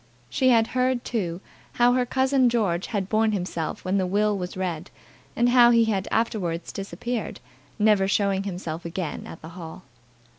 She had heard, too, how her cousin George had borne himself when the will was read, and how he had afterwards disappeared, never showing himself again at the hall.